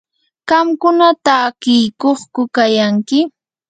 ¿qamkuna takiykuqku kayanki?